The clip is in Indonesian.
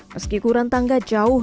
meski kurang tangga jauh